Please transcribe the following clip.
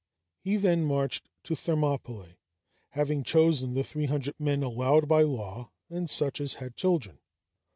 He then marched to Thermopylæ, having chosen the three hundred men allowed by law, and such as had children.